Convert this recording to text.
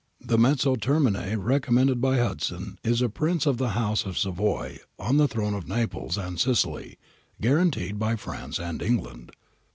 The mezzo termine recommended by Hudson is a Prince of the House of Savoy on the throne of Naples and Sicily, guaranteed by P" ranee and England.